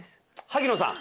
萩野さん。